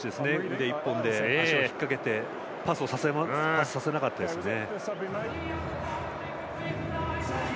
腕１本で足を引っ掛けてパスさせなかったですね。